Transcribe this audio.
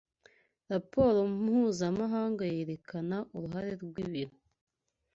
Raporo Mpuzamanga yerekanaga uruhare rw’ibiro